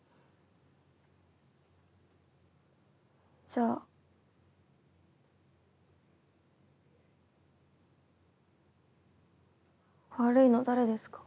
じゃあ悪いの誰ですか？